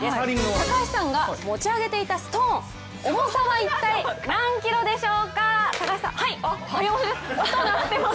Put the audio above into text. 高橋さんが持ち上げていたストーン重さは一体、何キロでしょうか？